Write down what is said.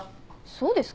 そうですか？